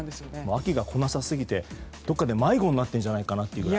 秋がこなさすぎてどこかで迷子になってるんじゃないかというぐらい。